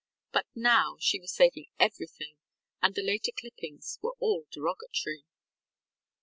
But now she was saving everything, and the later clippings were all derogatory.